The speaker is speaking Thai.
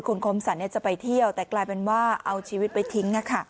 คุณคมสรรจะไปเที่ยวแต่กลายเป็นว่าเอาชีวิตไปทิ้ง